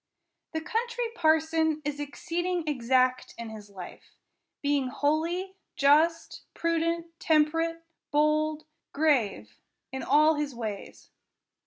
The Country Parson is exceeding exact in his life ; being holy, just, prudent, temperate, bold, grave, in all his ways.